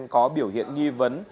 có biểu hiện nhiễm